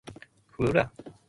服了